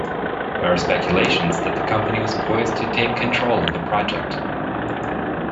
There are speculations that the company was poised to take control of the project.